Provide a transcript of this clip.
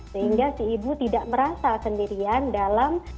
sehingga si ibu tidak merasa sendirian dalam